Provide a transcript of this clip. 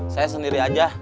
saya sendiri aja